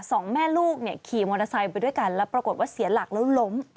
สองแม่ลูกเนี่ยขี่มอเตอร์ไซค์ไปด้วยกันแล้วปรากฏว่าเสียหลักแล้วล้ม